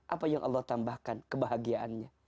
apa yang allah tambahkan kebahagiaannya